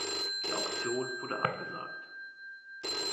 Die Auktion wurde abgesagt.